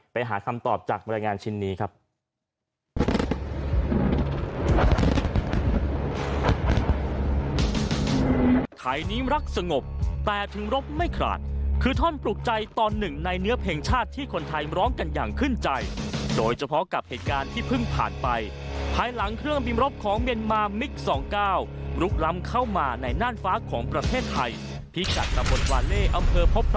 ไปหาคำตอบจากบรรยายงานชิ้นนี้ครับ